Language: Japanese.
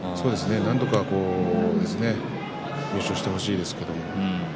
なんとか優勝してほしいですけど。